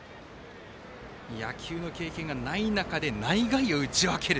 野球の経験がない中で内外野打ち分ける。